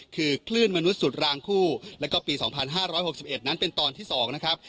คือคลื่นมนุษย์สุดรางคู่แล้วก็ปีสองพันห้าร้อยหกสิบเอ็ดนั้นเป็นตอนที่สองนะครับ